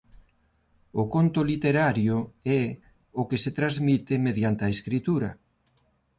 O conto literario é o que se transmite mediante a escritura.